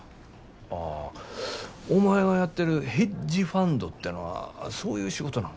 ああお前がやってるヘッジファンドてのはそういう仕事なんか。